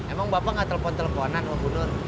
emang bapak nggak telepon teleponan pak bu nur